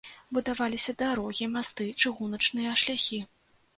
Будаваліся дарогі, масты, чыгуначныя шляхі.